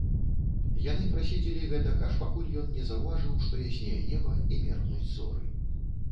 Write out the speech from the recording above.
Яны праседзелі гэтак, аж пакуль ён не заўважыў, што яснее неба і меркнуць зоры.